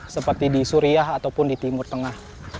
seperti di suriah ataupun di timur tengah